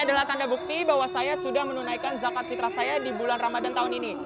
adalah tanda bukti bahwa saya sudah menunaikan zakat fitrah saya di bulan ramadan tahun ini